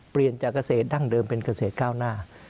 เปลี่ยนจากเกษตรดั้งเดิมเป็นเกษตรก้าวหน้า